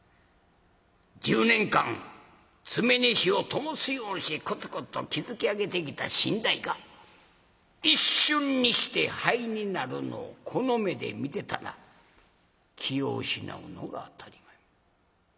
１０年間爪に火をともすようにしてコツコツと築き上げてきた身代が一瞬にして灰になるのをこの目で見てたら気を失うのが当たり前。